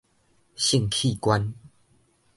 性器官